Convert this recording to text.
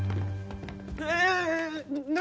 え何？